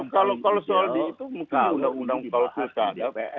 kalau soal d itu mungkin undang undang dipahami